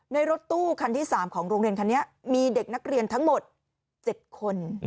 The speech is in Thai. รถตู้คันที่๓ของโรงเรียนคันนี้มีเด็กนักเรียนทั้งหมด๗คน